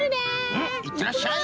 うんいってらっしゃい！